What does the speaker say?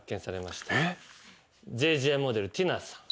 『ＪＪ』モデルティナさん。